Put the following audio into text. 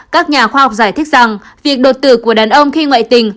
các nhà khoa học giải thích rằng việc đột tử của đàn ông khi ngoại tình